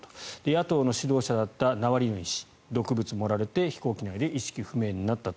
野党の指導者だったナワリヌイ氏毒物を盛られて飛行機内で意識不明になったと。